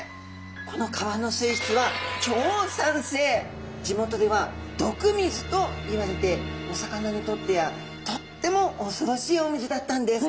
この川の水質は地元では毒水といわれてお魚にとってはとってもおそろしいお水だったんです。